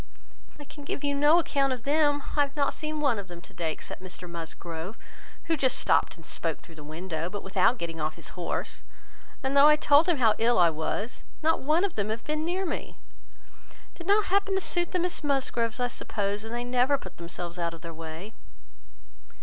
"I can give you no account of them. I have not seen one of them to day, except Mr Musgrove, who just stopped and spoke through the window, but without getting off his horse; and though I told him how ill I was, not one of them have been near me. It did not happen to suit the Miss Musgroves, I suppose, and they never put themselves out of their way."